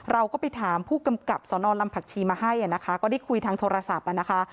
เราก็ไปถามผู้กำกับสนลำผักชีมาให้นะคะก็ได้คุยทางโทรศัพท์อ่ะนะคะ